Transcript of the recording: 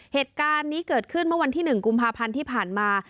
เหตุการณ์นี้เกิดขึ้นเมื่อวันที่๑กุมภาพันธ์ที่ผ่านมา